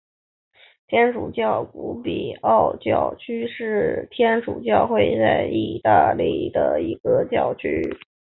天主教古比奥教区是天主教会在义大利的一个教区。